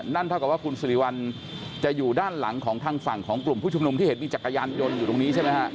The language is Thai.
เท่ากับว่าคุณสิริวัลจะอยู่ด้านหลังของทางฝั่งของกลุ่มผู้ชุมนุมที่เห็นมีจักรยานยนต์อยู่ตรงนี้ใช่ไหมฮะ